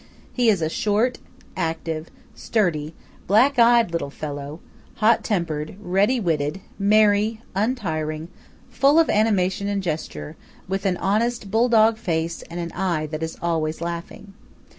He is a short, active, sturdy, black eyed little fellow; hot tempered, ready witted, merry, untiring, full of animation and gesture; with an honest bull dog face, and an eye that is always laughing.